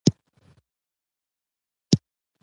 ښوونځی د بحث روزنه کوي